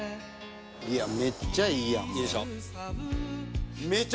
「いやめっちゃいいやんこれ」